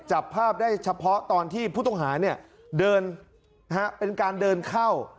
จับภาพได้เฉพาะตอนที่ผู้ต้องหาเดินเป็นการเดินเข้า